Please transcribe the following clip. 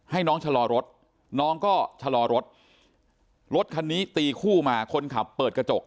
ให้น้องชะลอรถน้องก็ชะลอรถรถคันนี้ตีคู่มาคนขับเปิดกระจก